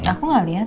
aku gak liat